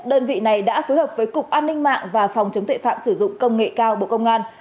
đơn vị này đã phối hợp với cục an ninh mạng và phòng chống tuệ phạm sử dụng công nghệ cao bộ công an